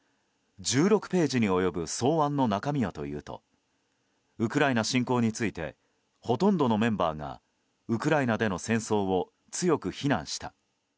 １６ページに及ぶ草案の中身はというとウクライナ侵攻についてほとんどのメンバーがウクライナでの戦争を強く非難した。